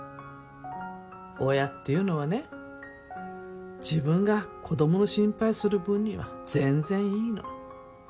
親っていうのはね自分が子供の心配する分には全然いいの。